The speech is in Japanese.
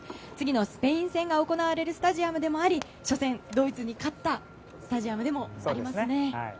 次のスペイン戦が行われるスタジアムでもあり初戦、ドイツに勝ったスタジアムでもありますね。